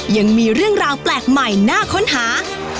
ยังมีเรื่องราวแปลกใหม่น่าค้นหา